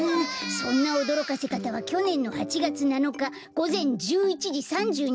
そんなおどろかせかたはきょねんの８がつ７かごぜん１１じ３２